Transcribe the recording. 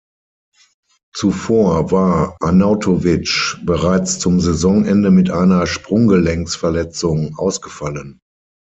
Zuvor war Arnautović bereits zum Saisonende mit einer Sprunggelenksverletzung ausgefallen.